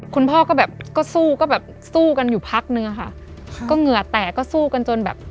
คุณพ่อก็สู้กันอยู่พักเนื้อค่ะก็เหงื่อแตกก็สู้กันจนแบบ